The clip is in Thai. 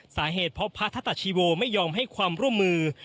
สาเหตุเพราะพระธตชีโวไม่ยอมให้ความร่วมมือ